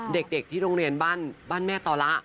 เด็กที่โรงเรียนบ้านแม่ตอละ